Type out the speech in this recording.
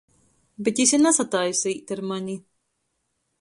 Bet jis i nasataisa īt ar mani.